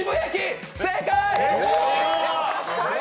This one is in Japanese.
正解！